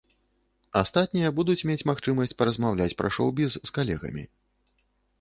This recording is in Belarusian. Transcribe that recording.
Астатнія будуць мець магчымасць паразмаўляць пра шоў-біз з калегамі.